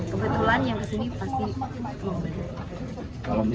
kebetulan yang kesini pasti mau beli